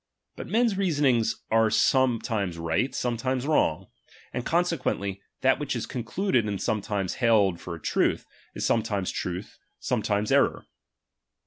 ^H But men's reasonings are sometimes right, some ^M times wrong ; and consequently, that which is ^M concluded and held for a truth, is sometimes ^B truth, sometimes error.